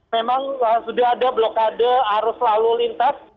memang sudah ada blokade arus lalu lintas